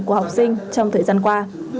của học sinh trong thời gian qua